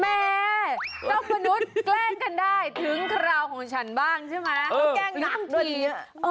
แม่เจ้ามนุษย์แกล้งกันได้ถึงคราวของฉันบ้างใช่ไหม